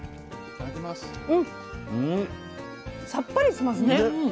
さっぱりしますね。